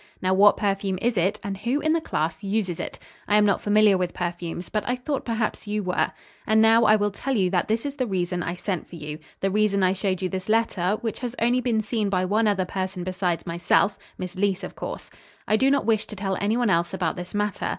Now, what perfume is it, and who in the class uses it? I am not familiar with perfumes, but I thought perhaps you were. And now, I will tell you that this is the reason I sent for you. The reason I showed you this letter, which has only been seen by one other person besides myself Miss Leece, of course. I do not wish to tell anyone else about this matter.